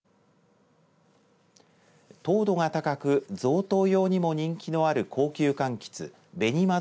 糖度が高く贈答用にも人気のある高級かんきつ紅ま